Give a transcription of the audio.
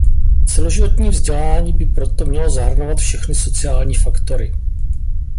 Celoživotní vzdělávání by proto mělo zahrnovat všechny sociální faktory.